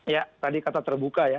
ya tadi kata terbuka ya